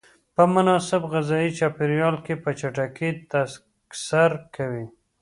په مناسب غذایي چاپیریال کې په چټکۍ تکثر کوي.